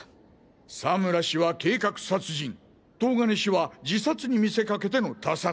佐村氏は計画殺人東金氏は自殺に見せかけての他殺。